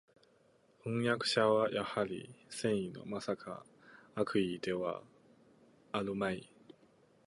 飜訳者はやはり善意の（まさか悪意のではあるまい）叛逆者